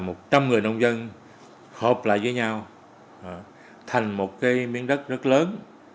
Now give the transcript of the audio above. một trăm người nông dân hợp lại với nhau thành một cái miếng đất rất lớn